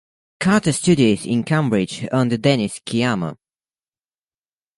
Carter studied at Cambridge under Dennis Sciama.